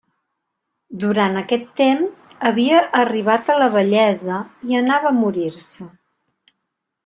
Durant aquest temps, havia arribat a la vellesa i anava a morir-se.